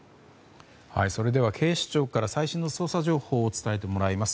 それでは警視庁から最新の捜査情報を伝えてもらいます。